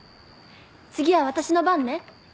次は私の番ね。